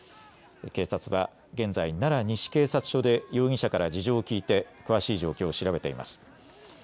警察は現在、奈良西警察署で容疑者から事情を聞いて詳しい状況を調べています。